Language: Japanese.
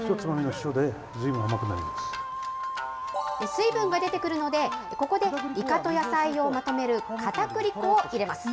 水分が出てくるので、ここでイカと野菜をまとめるかたくり粉を入れます。